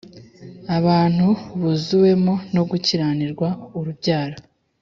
abantu buzuwemo no gukiranirwa, urubyaro